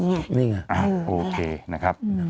นี่ไงเออแบบนั้นแหละอืมโอเคนะครับ